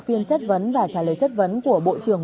phiên chất vấn và trả lời chất vấn của bộ trưởng